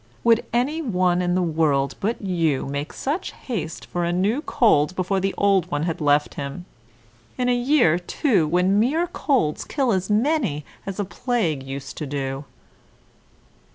Would any one in the world, but you, make such haste for a new cold before the old had left him; in a year, too, when mere colds kill as many as a plague used to do?